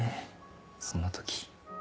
そんな時。